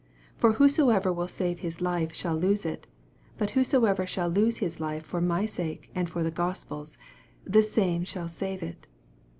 85 For whosoever will save his life hall lose it ; but whosoever shall lose his life for my sake and the Gospel's, the same shall save it.